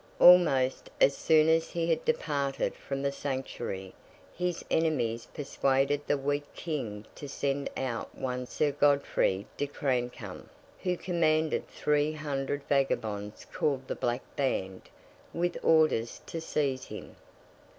Almost as soon as he had departed from the Sanctuary, his enemies persuaded the weak King to send out one Sir Godfrey de Crancumb, who commanded three hundred vagabonds called the Black Band, with orders to seize him.